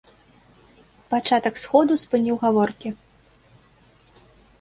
Пачатак сходу спыніў гаворкі.